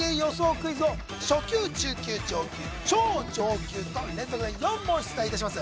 クイズを初級中級上級超上級と連続で４問出題いたします